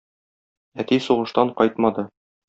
Әти сугыштан кайтмады.